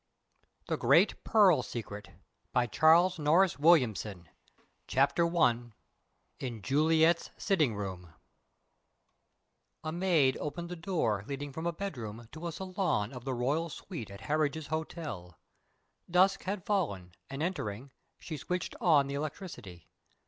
The Whole of the Secret THE GREAT PEARL SECRET CHAPTER I IN JULIET'S SITTING ROOM A maid opened the door leading from a bedroom to a salon of the "royal suite" at Harridge's Hotel. Dusk had fallen, and entering, she switched on the electricity.